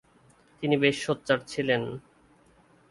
তিনি বেশ সোচ্চার ছিলেন।